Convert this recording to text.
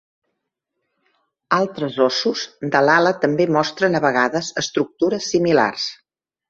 Altres ossos de l'ala també mostren a vegades estructures similars.